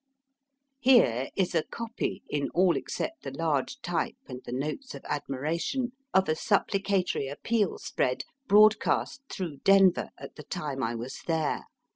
Here is a copy, in all except the large type and the notes of admiration, of a supplicatory appeal spread broadcast through Denver at the time I was there.